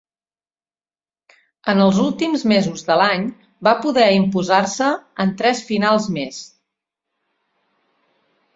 En els últims mesos de l'any va poder imposar-se en tres finals més.